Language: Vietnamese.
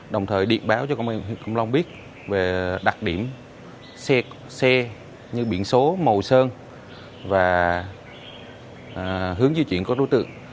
đồng thời điện báo cho công an huyện cũng long biết về đặc điểm xe như biển số màu sơn và hướng di chuyển của đối tượng